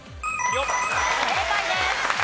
正解です。